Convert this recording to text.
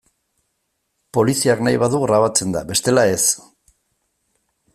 Poliziak nahi badu grabatzen da, bestela ez.